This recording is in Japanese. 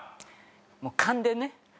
もう勘でね。